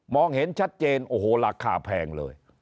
เห็นชัดเจนโอ้โหราคาแพงเลย